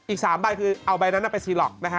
อีก๓ใบคือเอาใบนั้นไปซีหลอกนะฮะ